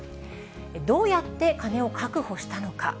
どうやって金を確保したのか。